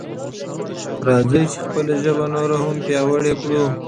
راځئ چې خپله ژبه نوره هم پیاوړې کړو.